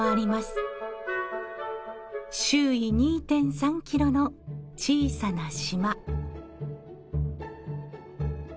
周囲２．３キロの小さな島。